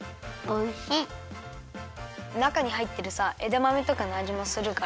なかにはいってるさえだまめとかのあじもするからいいね。